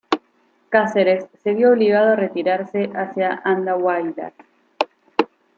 Cáceres se vio obligado a retirarse hacia Andahuaylas.